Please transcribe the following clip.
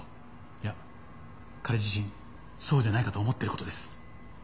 いや彼自身そうじゃないかと思ってる事です。